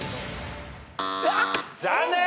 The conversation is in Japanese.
残念！